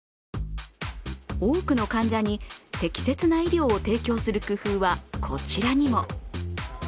多くの患者に適切な医療を提供する工夫はこちらにも。